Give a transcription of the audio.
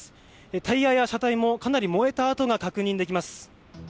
タイヤや車体もかなり燃えた跡が確認できます。